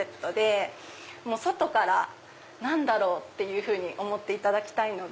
外から何だろう？って思っていただきたいので。